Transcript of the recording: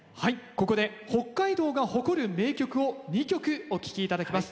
ここで北海道が誇る名曲を２曲お聴き頂きます。